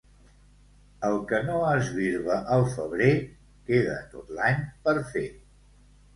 El que no es birba al febrer, queda tot l'any per fer.